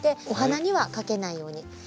お花にはかけないように。